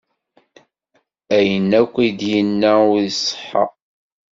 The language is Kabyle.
Ayen ay d-yenna ur iṣeḥḥa.